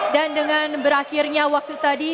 dan dengan berakhirnya waktu tadi